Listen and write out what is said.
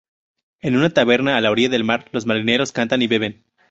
En una taberna a la orilla del mar los marineros cantan y beben.